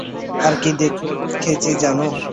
আর কী দেখেছি জানো?